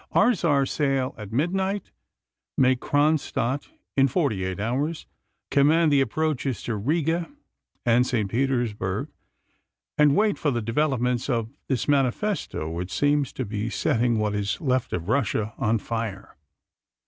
Ours are: sail at midnight, make Kronstadt in forty eight hours: command the approaches to Riga and St Petersburg, and wait for the developments of this manifesto which seems to be setting what is left of Russia on fire.